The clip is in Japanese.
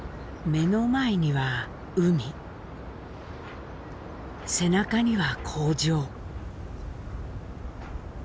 目の前には海背中には工場。